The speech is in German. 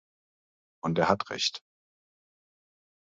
Und er hat Recht.